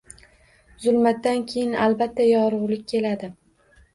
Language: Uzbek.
Zulmatdan keyin, albatta, yorug`lik keladi